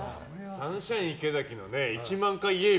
サンシャイン池崎の１万回、イエーイ！